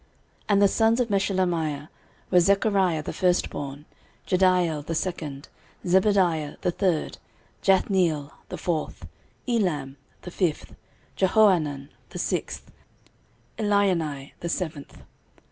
13:026:002 And the sons of Meshelemiah were, Zechariah the firstborn, Jediael the second, Zebadiah the third, Jathniel the fourth, 13:026:003 Elam the fifth, Jehohanan the sixth, Elioenai the seventh.